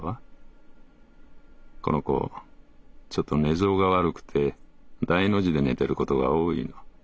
この子ちょっと寝相が悪くて『大』の字で寝てることが多いの。